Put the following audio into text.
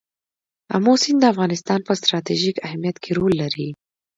آمو سیند د افغانستان په ستراتیژیک اهمیت کې رول لري.